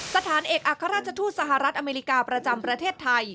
สถานเอกอัครราชทูตสหรัฐอเมริกาประจำประเทศไทย